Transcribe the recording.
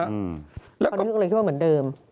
เขาเลยคิดว่าเหมือนเดิม